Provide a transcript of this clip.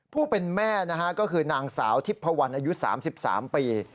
ผู้เป็นแม่นะฮะก็คือนางสาวทิพพวันอายุ๓๓ปี